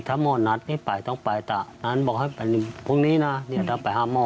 ถ้าหมอนัดให้ไปต้องไปจ้ะนั้นบอกให้พวกนี้น่ะเนี้ยถ้าไปหาหมอ